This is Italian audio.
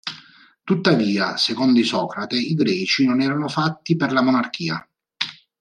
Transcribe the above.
Tuttavia, secondo Isocrate, i Greci non erano fatti per la monarchia.